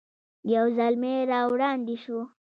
یو زلمی را وړاندې شو.